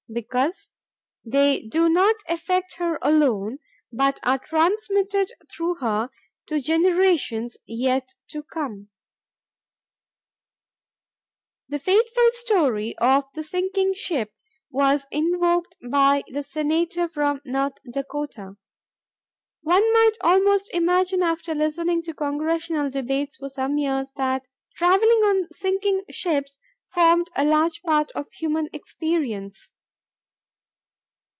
Because they do not affect her alone but are transmitted through her to generations yet to come ...." The faithful story of the sinking ship was invoked by the Senator from North Dakota. One might almost imagine after listening to Congressional debates for some years that traveling on sinking ships formed a large part of human experience.